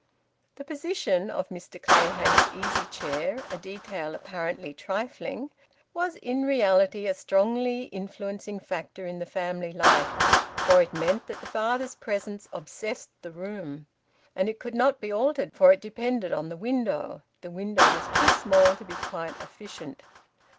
The position of Mr Clayhanger's easy chair a detail apparently trifling was in reality a strongly influencing factor in the family life, for it meant that the father's presence obsessed the room. And it could not be altered, for it depended on the window; the window was too small to be quite efficient.